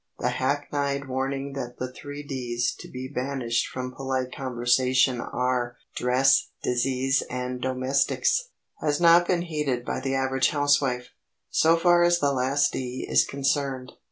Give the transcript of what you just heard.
The hackneyed warning that the three D's to be banished from polite conversation are Dress, Disease and Domestics, has not been heeded by the average housewife, so far as the last D is concerned.